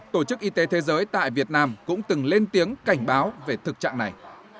tổ chức y tế thế giới tại việt nam cũng từng lên tiếng cảnh báo về thực trạng này